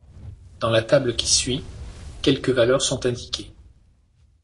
Dans la table qui suit, quelques valeurs sont indiquées.